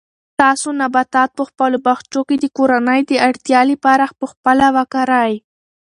تاسو نباتات په خپلو باغچو کې د کورنۍ د اړتیا لپاره په خپله وکرئ.